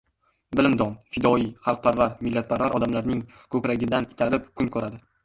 bilimdon, fidoiy, xalqparvar, millatparvar odamlarning ko‘kragidan itarib kun ko‘radi.